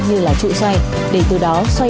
như là trụ xoay để từ đó xoay